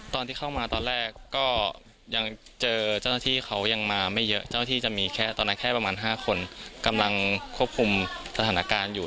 ตอนที่เข้ามาตอนแรกก็ยังเจอเจ้าหน้าที่เขายังมาไม่เยอะเจ้าหน้าที่จะมีแค่ตอนนั้นแค่ประมาณ๕คนกำลังควบคุมสถานการณ์อยู่